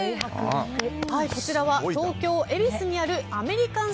こちらは東京・恵比寿にあるアメリカン